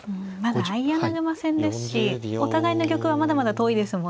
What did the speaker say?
まだ相穴熊戦ですしお互いの玉はまだまだ遠いですもんね。